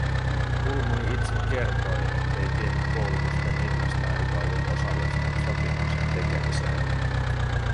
Kulmuni itse kertoi, ettei tiennyt koulutusten hinnasta eikä ollut osallistunut sopimuksen tekemiseen